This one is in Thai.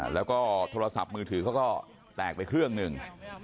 แล้วก็โทรศัพท์มือถือเขาก็แตกไปเครื่องหนึ่ง